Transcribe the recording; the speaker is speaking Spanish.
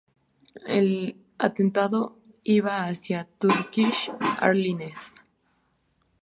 El atentado iba hacia Turkish Airlines.